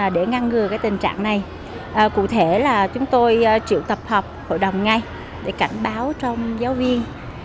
về tình trạng này cụ thể là chúng tôi triệu tập họp hội đồng ngay để cảnh báo trong giáo viên